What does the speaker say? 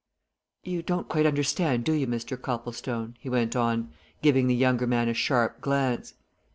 You don't quite understand, do you, Mr. Copplestone?" he went on, giving the younger man a sharp glance.